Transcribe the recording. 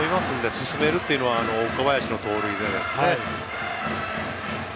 進めるというのは岡林の盗塁でですね。